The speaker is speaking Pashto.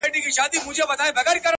o بيا به يې خپه اشـــــــــــــنا ـ